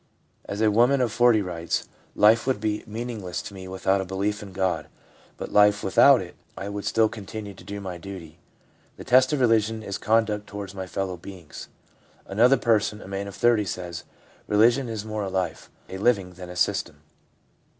A woman of 40 writes: 'Life would be meaningless to me without a belief in God, but without it I would still continue to do my duty. The test of religion is conduct towards my fellow beings/ Another person, a man of 30, says :' Religion is more a life, a living, than a system.